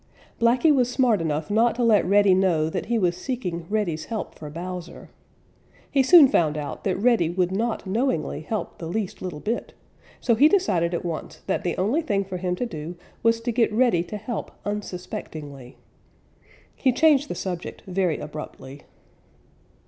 Blacky was smart enough not to let Reddy know that he was seeking Reddy's help for Bowser. He soon found out that Reddy would not knowingly help the least little bit, so he decided at once that the only thing for him to do was to get Reddy to help unsuspectingly. He changed the subject very abruptly.